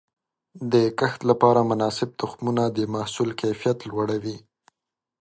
د کښت لپاره مناسب تخمونه د محصول کیفیت لوړوي.